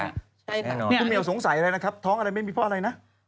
คุณหมี่เอาสงสัยเลยนะครับท้องอะไรไม่มีเพราะอะไรนะ